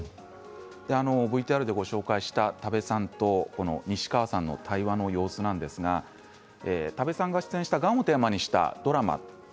ＶＴＲでご紹介した多部さんと西川さんの対話の様子なんですが多田さんが出演したがんをテーマにしたドラマ